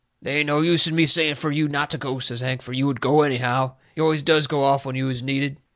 "They ain't no use in me saying fur you not to go," says Hank, "fur you would go anyhow. You always does go off when you is needed."